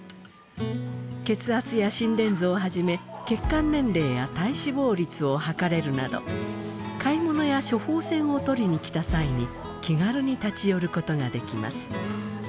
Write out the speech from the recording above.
血圧や心電図をはじめ血管年齢や体脂肪率を測れるなど買い物や処方箋を取りにきた際に気軽に立ち寄ることができます。